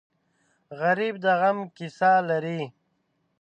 غریب د غم قصه لري